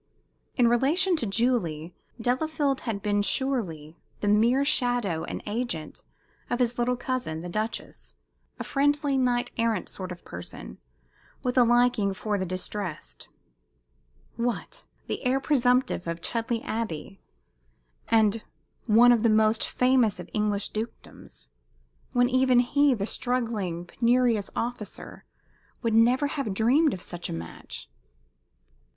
In relation to Julie, Delafield had been surely the mere shadow and agent of his little cousin the Duchess a friendly, knight errant sort of person, with a liking for the distressed. What! the heir presumptive of Chudleigh Abbey, and one of the most famous of English dukedoms, when even he, the struggling, penurious officer, would never have dreamed of such a match?